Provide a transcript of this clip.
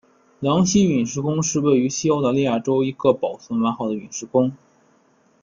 狼溪陨石坑是位于西澳大利亚州一个保存完好的陨石坑。